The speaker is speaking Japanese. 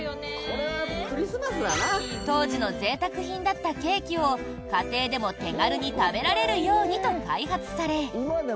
当時のぜいたく品だったケーキを家庭でも手軽に食べられるようにと開発され。